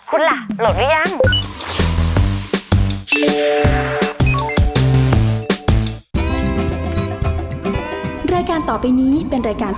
คุณล่ะโหลดหรือยัง